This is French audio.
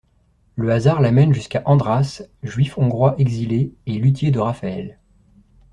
Le hasard la mène jusqu'à Andràs, juif hongrois exilé, et luthier de Raphaël.